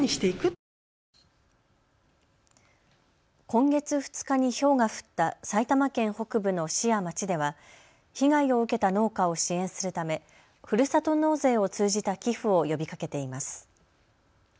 今月２日にひょうが降った埼玉県北部の市や町では被害を受けた農家を支援するためふるさと納税を通じた寄付を呼びかけています。